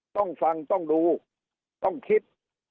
ต้องฟังต้องดูต้องคิด